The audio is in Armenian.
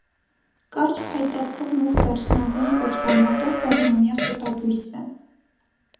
Կարճ փայտացող մուգ դարչնագույն կոճղարմատով բազմամյա խոտաբույս է։